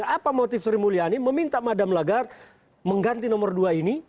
apa motif sri mulyani meminta madam lagar mengganti nomor dua ini